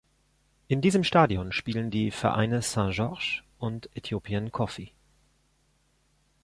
In diesem Stadion spielen die Vereine Saint George und Ethiopian Coffee.